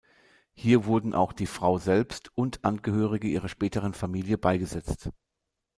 Hier wurden auch die Frau selbst und Angehörige ihrer späteren Familie beigesetzt.